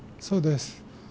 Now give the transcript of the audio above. そうです。